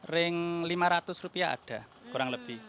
ring rp lima ratus ada kurang lebih